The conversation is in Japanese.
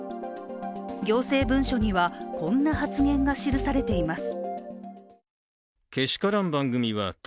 行政文書にはこんな発言が記されています。